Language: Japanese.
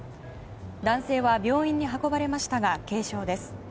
男性は病院に運ばれましたが軽傷です。